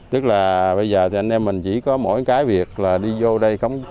tức là bây giờ thì anh em mình chỉ có mỗi cái việc là đi vô đây